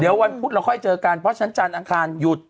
เดี๋ยววันพุธเราค่อยเจอกันเพราะฉะนั้นจันทร์อังคารหยุด